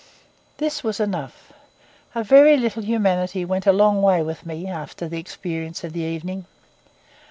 This was enough. A very little humanity went a long way with me after the experience of the evening.